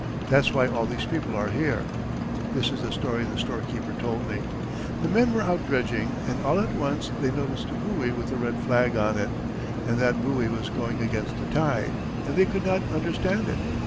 That's why all these people are here." This is the story the storekeeper told me: "The men were out dredging and all at once they noticed a buoy with a red flag on it, and that buoy was going against the tide, and they could not understand it.